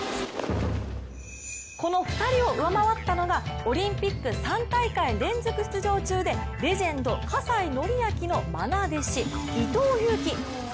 この２人を上回ったのがオリンピック３大会連続出場中でレジェンド・葛西紀明のまな弟子、伊藤有希。